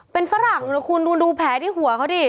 เป็นฝรั่งนะคุณดูแผลที่หัวเขาดิ